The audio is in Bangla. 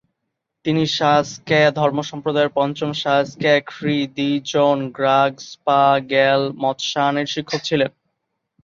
তিনি সা-স্ক্যা ধর্মসম্প্রদায়ের পঞ্চম সা-স্ক্যা-খ্রি-'দ্জিন গ্রাগ্স-পা-র্গ্যাল-ম্ত্শানের শিক্ষক ছিলেন।